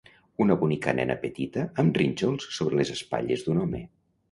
Una bonica nena petita amb rínxols sobre les espatlles d'un home.